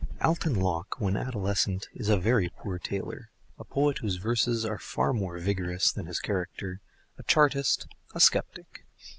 Alton Locke, when adolescent, is a very poor tailor, a poet whose verses are far more vigorous than his character, a chartist, a sceptic.